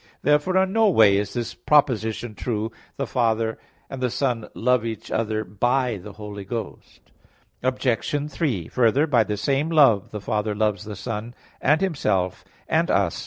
Therefore in no way is this proposition true: "The Father and the Son love each other by the Holy Ghost." Obj. 3: Further, by the same love the Father loves the Son, and Himself, and us.